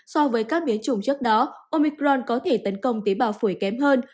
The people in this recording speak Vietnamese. so với các biến chủng trước đó omicron có thể tấn công tế bào phổi kém hơn